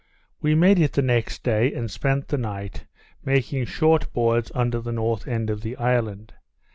We made it the next day, and spent the night, making short boards under the north end of the island.